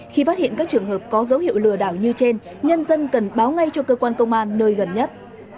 khi phát hiện các trường hợp có dấu hiệu lừa đảo như trên nhân dân cần báo ngay cho cơ quan công an nơi gần nhất